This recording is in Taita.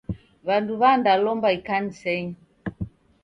W'andu w'andalomba ikanisenyi.